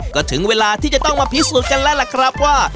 ก็ถึงเวลาที่จะต้องมาพิสูจน์กันแล้วล่ะครับว่า